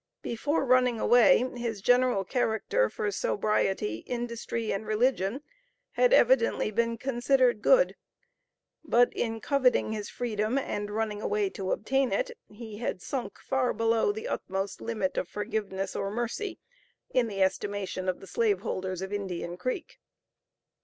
Before running away, his general character for sobriety, industry, and religion, had evidently been considered good, but in coveting his freedom and running away to obtain it, he had sunk far below the utmost limit of forgiveness or mercy in the estimation of the slave holders of Indian Creek.